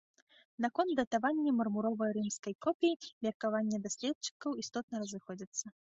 Наконт датавання мармуровай рымскай копіі меркавання даследчыкаў істотна разыходзяцца.